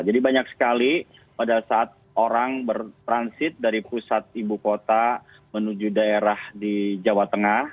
jadi banyak sekali pada saat orang bertransit dari pusat ibu kota menuju daerah di jawa tengah